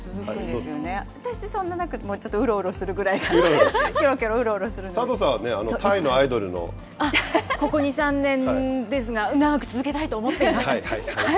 私はもうそんななくて、ちょっとうろうろするぐらいかな、き佐藤さんはタイのアイドルのここ２、３年ですが、長く続けたいと思ってます。